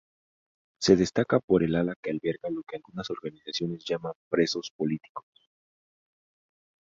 Se destaca por el ala que alberga lo que algunas organizaciones llaman "presos políticos".